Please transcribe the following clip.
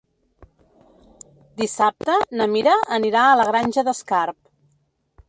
Dissabte na Mira anirà a la Granja d'Escarp.